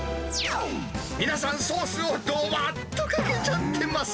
皆さん、ソースをどばっとかけちゃってます。